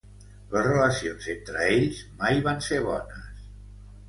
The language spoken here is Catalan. Les relacions entre ells mai van ser bones.